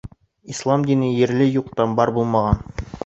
Ислам дине ерле юҡтан бар булмаған.